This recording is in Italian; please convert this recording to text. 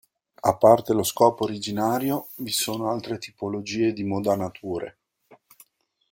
A parte lo scopo originario, vi sono altre tipologie di modanature.